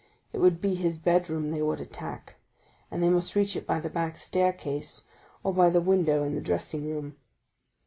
It would be his bedroom they would attack, and they must reach it by the back staircase, or by the window in the dressing room.